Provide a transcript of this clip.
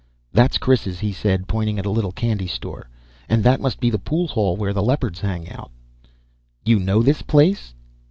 "That's Chris's," he said, pointing at a little candy store. "And that must be the pool hall where the Leopards hang out." "You know this place?"